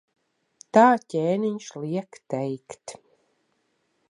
Tā ķēniņš liek teikt.